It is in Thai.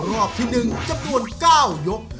รอบที่๑จำนวน๙ยก